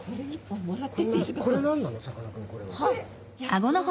これ何なの？